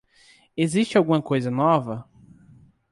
Existe alguma coisa nova?